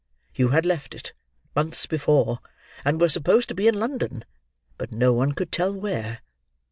You had left it, months before, and were supposed to be in London, but no one could tell where.